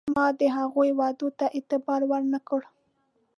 ما د هغوی وعدو ته اعتبار ور نه کړ.